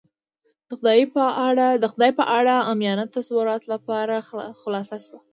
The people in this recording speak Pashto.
د خدای په اړه عامیانه تصوراتو لپاره لاره خلاصه شوه.